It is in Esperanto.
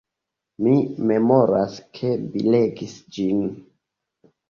Mi memoras, ke mi legis ĝin.